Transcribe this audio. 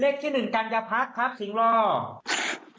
เรียนเขี้ยวหนึ่งกันอย่าพักครับสิงหลอก